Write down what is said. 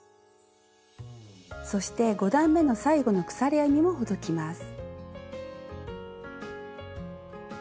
そして５段めの最後の鎖編みもほどきます。